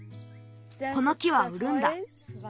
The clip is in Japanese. この木はうるんだ。